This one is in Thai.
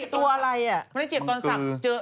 ตัวอะไร